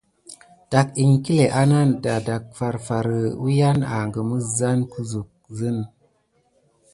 Taki ekile anada dak far wuyani akum ezane ba kusuh zene.